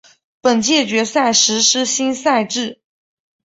本届决赛实施新赛制。